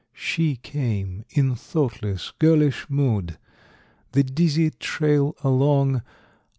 She came, in thoughtless, girlish mood, The dizzy trail along.